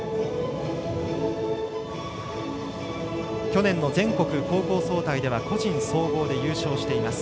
去年の全国高校総体では個人総合で優勝しています。